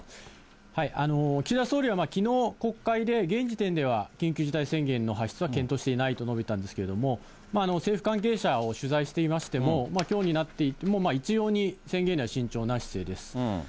岸田総理はきのう、国会で、現時点では、緊急事態宣言の発出は検討していないと述べたんですけれども、政府関係者を取材していましても、きょうになって、一様に宣言には慎重な姿勢です。